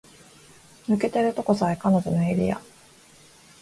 抜けてるとこさえ彼女のエリア